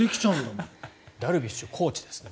もうダルビッシュコーチですね。